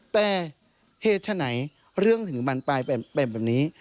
แต่เหตุฉะไหนเรื่องถึงบรรปลายเป็นแบบนี้